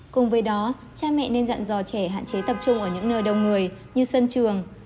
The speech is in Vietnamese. cùng với đó cha mẹ nên dặn dò trẻ hạn chế tập trung ở những nơi đông người như sân trường